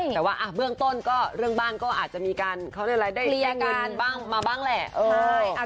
แต่ว่าเรื่องต้นเรื่องบ้างก็อาจจะมีการเคลียร์เงินมาบ้างแหละ